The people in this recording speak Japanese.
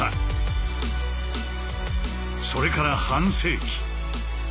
それから半世紀。